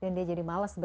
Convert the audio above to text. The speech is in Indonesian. dan dia jadi malas